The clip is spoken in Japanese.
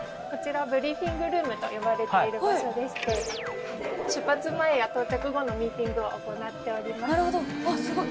こちらブリーフィングルームと呼ばれている場所でして出発前や到着後のミーティングを行っております。